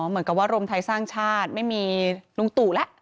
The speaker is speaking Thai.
เหมือนกับว่ารวมไทยสร้างชาติไม่มีลุงตู่แล้ว